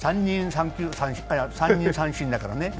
３人三振だからね。